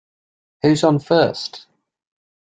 Who's on First?